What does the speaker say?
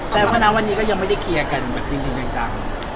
แสดงว่านะวันนี้ก็ยังไม่ได้เคลียร์กันแบบจริงจัง